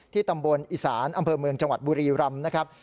ที่ตำบลอิสานอำเภอเมืองจังหวัดบุรีรัมพ์